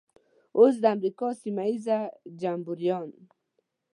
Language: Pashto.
اوس د امریکا سیمه ییز جمبوریان.